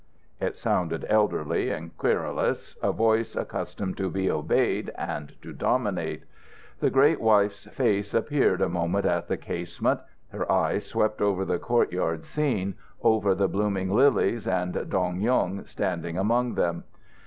It sounded elderly and querulous a voice accustomed to be obeyed and to dominate. The great wife's face appeared a moment at the casement. Her eyes swept over the courtyard scene over the blooming lilies, and Dong Yung standing among them.